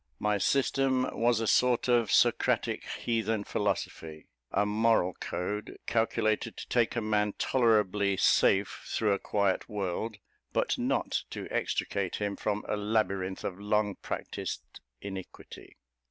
My system was a sort of Socratic heathen philosophy a moral code, calculated to take a man tolerably safe through a quiet world, but not to extricate him from a labyrinth of long practised iniquity.